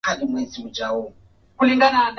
wazee wansema wabarbaig waliuawa sana kiasi kwamba